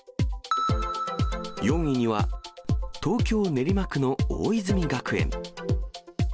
４位には、東京・練馬区の大泉学園。